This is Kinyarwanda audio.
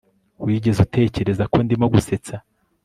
wigeze utekereza ko ndimo gusetsa